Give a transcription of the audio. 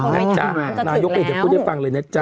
นายกไม่เห็นที่จะพูดให้ฟังเลยนะจ๊ะ